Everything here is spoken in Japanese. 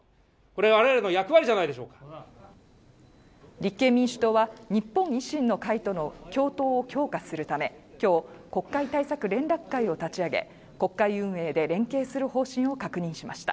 立憲民主党は日本維新の会との共闘を強化するためきょう国会対策連絡会を立ち上げ国会運営で連携する方針を確認しました